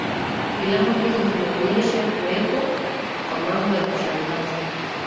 filamu hizo zimeonyesha kuwepo kwa mambo ya kushangaza